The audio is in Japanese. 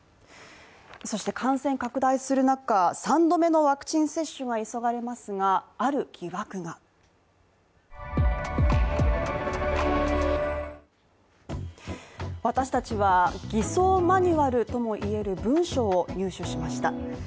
そして感染拡大する中、３度目のワクチン接種が急がれますが、ある疑惑が私達は偽装マニュアルとも言える文書を入手しました。